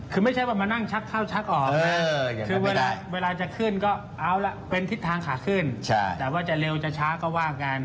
คือไม่ใช่ว่ามานั่งชักเข้าชักออกนะคือเวลาจะขึ้นก็เอาละเป็นทิศทางขาขึ้นแต่ว่าจะเร็วจะช้าก็ว่ากัน